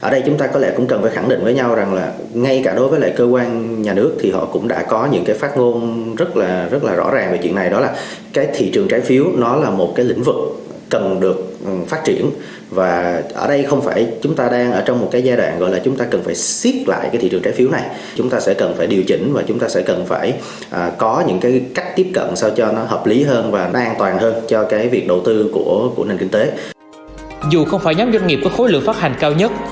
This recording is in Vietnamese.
dù không phải nhóm doanh nghiệp có khối lượng phát hành cao nhất